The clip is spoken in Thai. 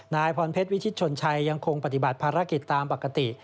นายพรเพชรวิชิตชนชัยยังคงปฏิบัติภารกิจตามปกติ